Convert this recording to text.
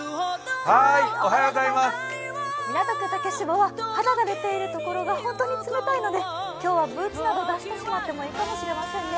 港区竹芝は、肌が出ているところが本当に冷たいので今日はブーツなど出してしまってもいいかもしれませんね。